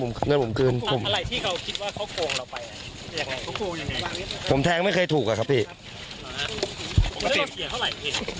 อะไรที่เขาคิดว่าเขาโกงเราไปผมแทงไม่เคยถูกอะครับพี่